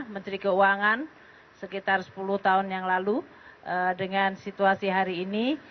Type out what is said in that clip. menteri keuangan sekitar sepuluh tahun yang lalu dengan situasi hari ini